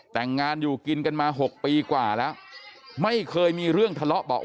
แต่งงานอยู่กินกันมาหกปีกว่าแล้วไม่เคยมีเรื่องทะเลาะบอก